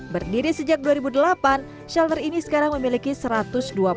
berdiri sejak dua ribu delapan shelter ini sekarang memiliki satu ratus dua puluh